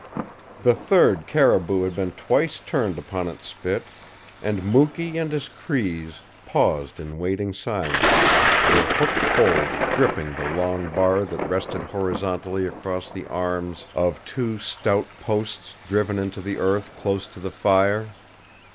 The third caribou had been twice turned upon its spit, and Mukee and his Crees paused in waiting silence, their hooked poles gripping the long bar that rested horizontally across the arms of two stout posts driven into the earth close to the fire.